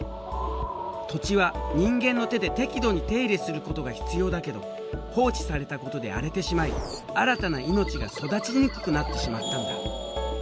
土地は人間の手で適度に手入れすることが必要だけど放置されたことで荒れてしまい新たな命が育ちにくくなってしまったんだ。